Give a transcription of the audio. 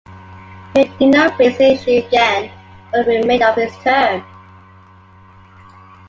Pitt did not raise the issue again for the remainder of his term.